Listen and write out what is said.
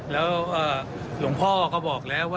แล้วหลวงพ่อเขาบอกแล้ว